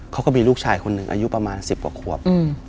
เขาก็มีลูกชายคนหนึ่งอายุประมาณ๑๐กว่าขวบ